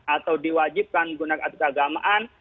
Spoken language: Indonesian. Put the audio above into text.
atau diwajibkan menggunakan keagamaan